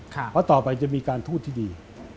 เพราะต่อไปจะมีการพูดที่ดี